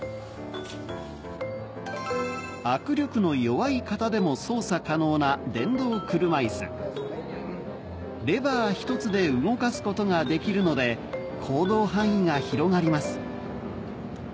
握力の弱い方でも操作可能なレバー１つで動かすことができるので行動範囲が広がります